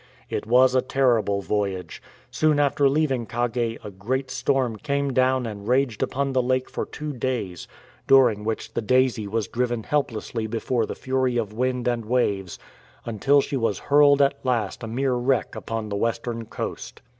It was a terrible voyage. Soon after leaving Kagei a great storm came down and raged upon the lake for two days, during which the Daisy was xo6 A "BABAZA" AT MTESA'S COURT driven helplessly before the fury of wind and waves, until she was hurled at last a mere wreck upon the western coast.